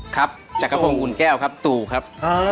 ครับจักรพงศ์อุ่นแก้วครับตู่ครับ